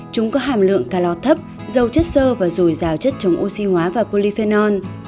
chúng có hàm lượng calor thấp dầu chất sơ và dồi dào chất chống oxy hóa và polyphenol